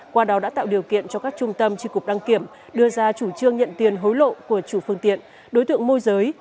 qua đó đã tạo điều kiện cho các trung tâm tri cục đăng kiểm đưa ra chủ trương nhận tiền hối lộ của chủ phương tiện đối tượng môi giới